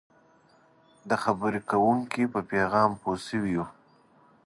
د خبرې کوونکي په پیغام پوه شوي یو.